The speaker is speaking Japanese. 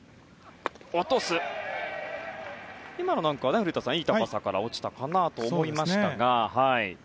今のなんかいい高さから落ちたかなと思いましたが。